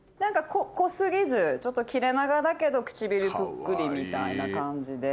濃過ぎずちょっと切れ長だけど唇ぷっくりみたいな感じで。